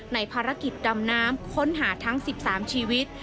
ในภารกิจดำน้ำค้นหาทั้ง๑๓ชีวิต